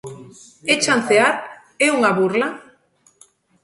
¿É chancear?, ¿é unha burla?